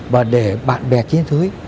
và để bạn bè chiến thúy